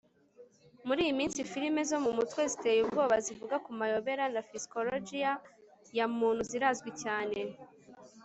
Muri iyi minsi filime zo mu mutwe ziteye ubwoba zivuga ku mayobera ya psychologiya ya muntu zirazwi cyane